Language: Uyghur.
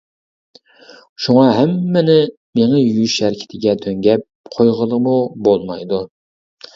شۇڭا ھەممىنى مېڭە يۇيۇش ھەرىكىتىگە دۆڭگەپ قويغىلىمۇ بولمايدۇ.